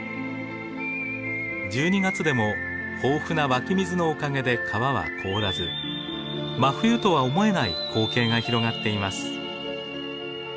１２月でも豊富な湧き水のおかげで川は凍らず真冬とは思えない光景が広がっています。